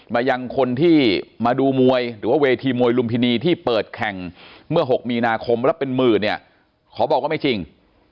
มายังคนที่มาดูมวยหรือว่าเวทีมวยลุมพินีที่เปิดแข่งเมื่อ๖มีนาคมแล้วเป็นหมื่นเนี่ยขอบอกว่าไม่จริง